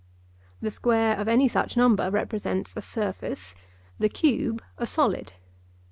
The square of any such number represents a surface, the cube a solid.